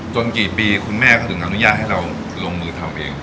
กี่ปีคุณแม่ก็ถึงอนุญาตให้เราลงมือทำเอง